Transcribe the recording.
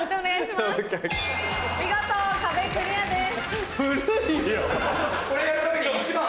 見事壁クリアです。